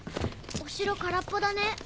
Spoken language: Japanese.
お城空っぽだね。